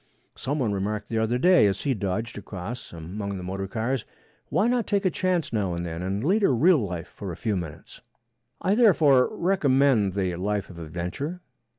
Some one remarked the other day as he dodged across among the motor cars, 'Why not take a chance now and then and lead a real life for a few minutes?' I therefore recommend the life of adventure.